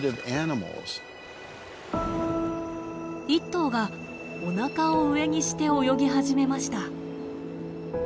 １頭がおなかを上にして泳ぎ始めました。